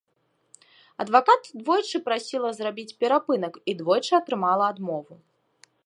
Адвакат двойчы прасіла зрабіць перапынак і двойчы атрымала адмову.